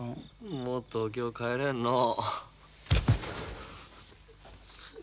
もう東京帰れんのう。